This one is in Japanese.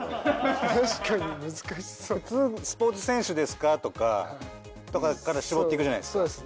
普通スポーツ選手ですか？とか絞っていくじゃないですか。